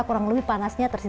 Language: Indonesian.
kurang lebih panasnya tersisa